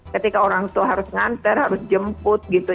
ketika orang tua harus menghantar harus dijemput gitu